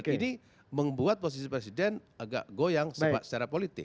dan ini membuat posisi presiden agak goyang secara politik